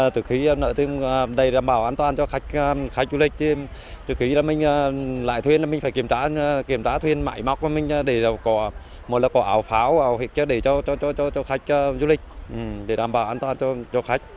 từ khi mình lái thuyền mình phải kiểm tra thuyền mãi mọc để có ảo pháo để cho khách du lịch để đảm bảo an toàn cho khách